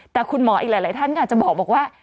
แต่คุณหมออีกหลายท่านก็อาจจะบอกว่า